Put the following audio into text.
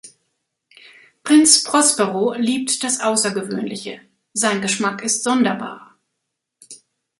Prinz Prospero liebt das Außergewöhnliche, sein Geschmack ist sonderbar.